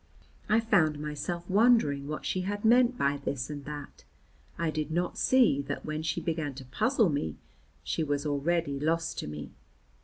I found myself wondering what she had meant by this and that; I did not see that when she began to puzzle me she was already lost to me.